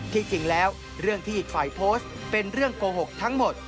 จริงแล้วเรื่องที่อีกฝ่ายโพสต์เป็นเรื่องโกหกทั้งหมด